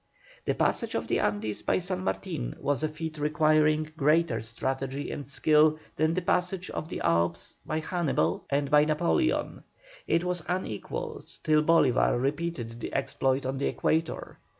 The passage of the Andes by San Martin was a feat requiring greater strategy and skill than the passages of the Alps by Hannibal and by Napoleon; it was unequalled till Bolívar repeated the exploit on the equator.